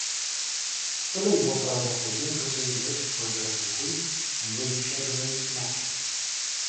The league also adopted new procedures for addressing heat and rescheduling matches.